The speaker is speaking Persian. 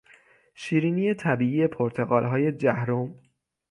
شیرینی طبیعی پرتقالهای جهرم